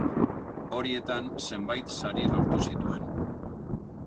Horietan, zenbait sari lortu zituen.